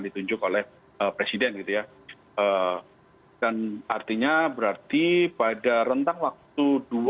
ditunjuk oleh presiden gitu ya dan artinya berarti pada rentang waktu dua ribu dua puluh dua